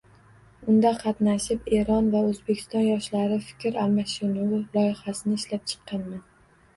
Unda qatnashib, Eron va O‘zbekiston yoshlari fikr almashinuv loyihasini ishlab chiqqanman.